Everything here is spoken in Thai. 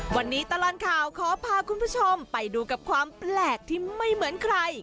วันนี้ตลอดข่าวขอพาคุณผู้ชมไปดูกับความแปลกที่ไม่เหมือนใคร